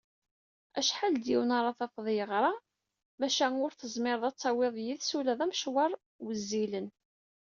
Acḥal d yiwen ara tafeḍ yeɣra, maca ur tezmireḍ ad tawiḍ yid-s ula d amecwar wezzilen.